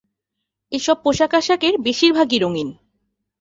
এসব পোশাক-আশাকের বেশির ভাগই রঙিন।